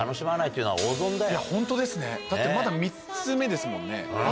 ホントですねだってまだ３つ目ですもんね。